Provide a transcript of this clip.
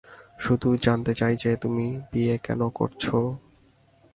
শুধু জানতে চাই যে, তুমি বিয়ে কেন করছো?